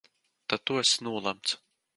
Tad tu esi nolemts!